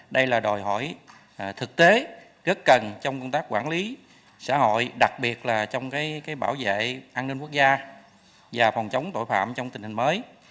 đây là đòi hỏi thực tế rất cần trong công tác quản lý xã hội đặc biệt là trong bảo vệ an ninh quốc gia và phòng chống tội phạm trong tình hình mới